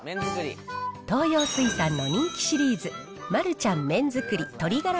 東洋水産の人気シリーズ、マルちゃん麺づくり鶏ガラ